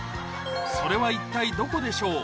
それは一体どこでしょう？